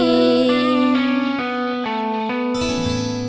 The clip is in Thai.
อันนั้น